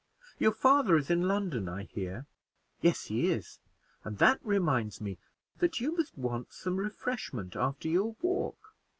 Your father is in London, I hear?" "Yes, he is; and that reminds me that you must want some refreshment after your walk.